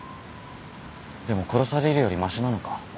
でも殺されるよりましなのか？